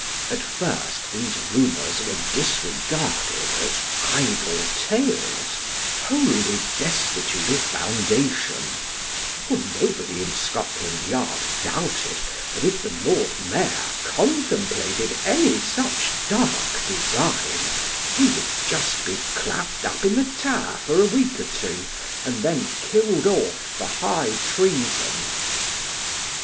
At first these rumours were disregarded as idle tales, wholly destitute of The Spirit of Change. 49 foundation, for nobody in Scotland Yard doubted that if tho Lord Mayor contemplated any such dark design, he would just be clapped up in the Tower for a week or two, and then killed off for high treason.